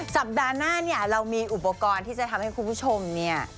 สัปดาห์หน้าเนี่ยเรามีอุปกรณ์ที่จะทำให้คุณผู้ชมเนี่ย